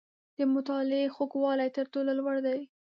• د مطالعې خوږوالی، تر ټولو لوړ دی.